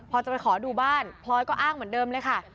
พอจะไปขอดูบ้านพลอยก็อ้างเหมือนเดิมเลยค่ะ